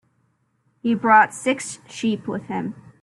He brought six sheep with him.